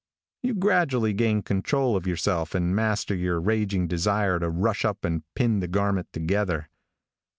You gradually gain control of yourself and master your raging desire to rush up and pin the garment together.